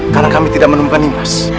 karena kami tidak menemukan nimas